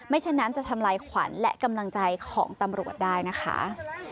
ฉะนั้นจะทำลายขวัญและกำลังใจของตำรวจได้นะคะ